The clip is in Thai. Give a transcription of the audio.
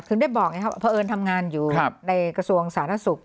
ถึงได้บอกไงครับพระเอิญทำงานอยู่ในกระทรวงศาลท่าศุกร์